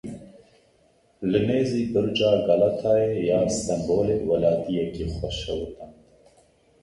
Li nêzî Birca Galatayê ya Stenbolê welatiyekî xwe şewitand.